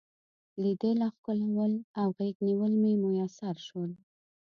لیدل او ښکلول او غیږ نیول مې میسر شول.